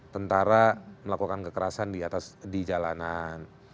tentara melakukan kekerasan di jalanan